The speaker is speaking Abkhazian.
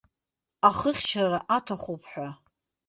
Ахыхьчара аҭахуп ҳәа.